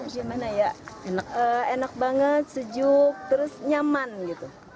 gimana ya enak banget sejuk terus nyaman gitu